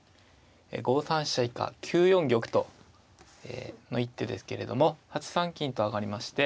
５三飛車以下９四玉の一手ですけれども８三金と上がりまして。